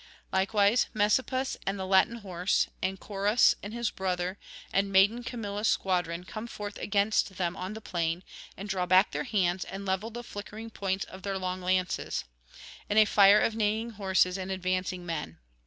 Likewise Messapus and the Latin horse, and Coras and his brother, and maiden Camilla's squadron, come forth against them on the plain, and draw back their hands and level the flickering points of their long lances, in a fire of neighing horses and advancing men.